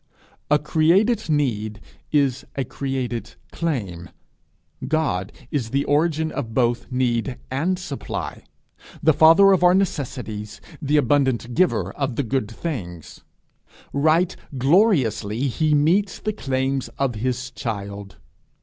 A created need is a created claim. God is the origin of both need and supply, the father of our necessities, the abundant giver of the good things. Right gloriously he meets the claims of his child!